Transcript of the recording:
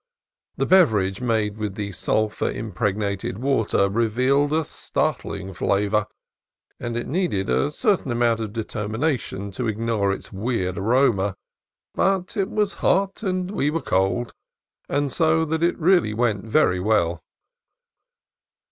The beverage made with the sulphur impregnated water revealed a startling flavor, and it needed a certain amount of determination to ig nore its weird aroma; but it was hot and we were cold, so that it really went very well.